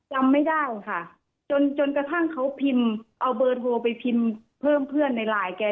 จำไม่ได้ค่ะจนจนกระทั่งเขาพิมพ์เอาเบอร์โทรไปพิมพ์เพิ่มเพื่อนในไลน์แก